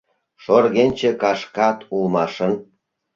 Шоргенче кашкат улмашын...